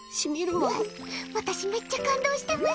私めっちゃ感動してます。